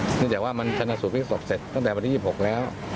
เนื่องจากว่ามันชนะสูตพลิกศพเสร็จตั้งแต่วันที่๒๖แล้ว